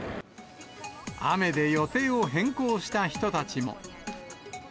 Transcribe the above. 雨で予定を変更した人たちも。